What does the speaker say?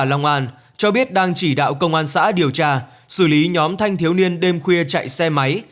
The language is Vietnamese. long an cho biết đang chỉ đạo công an xã điều tra xử lý nhóm thanh thiếu niên đêm khuya chạy xe máy